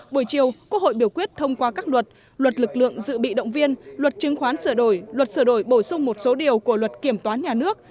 buổi chiều quốc hội biểu quyết thông qua các luật luật lực lượng dự bị động viên luật chứng khoán sửa đổi luật sửa đổi bổ sung một số điều của luật kiểm toán nhà nước